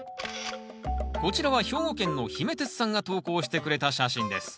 こちらは兵庫県のひめてつさんが投稿してくれた写真です。